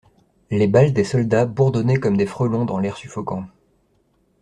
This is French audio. Les balles des soldats bourdonnaient comme des frelons dans l'air suffocant.